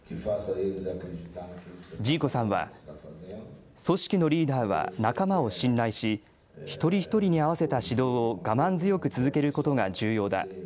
ジーコさんは組織のリーダーは仲間を信頼し一人一人に合わせた指導を我慢強く続けることが重要だ。